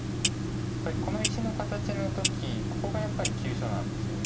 この石の形の時ここがやっぱり急所なんですよね。